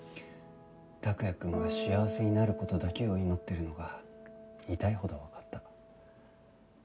託也くんが幸せになる事だけを祈ってるのが痛いほどわかった。